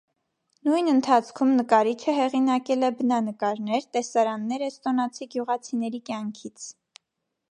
Նույն ընթացքում նկարիչը հեղինակել է բնանկարներ, տեսարաններ էստոնացի գյուղացիների կյանքից։